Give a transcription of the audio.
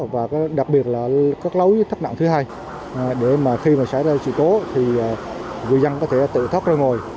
và đặc biệt là các lối thất nặng thứ hai để mà khi mà xảy ra sự cố thì người dân có thể tự thoát ra ngồi